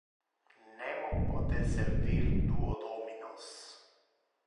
Nemo pote servir duo dominos.